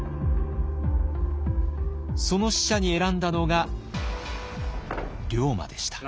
その使者に選んだのが龍馬でした。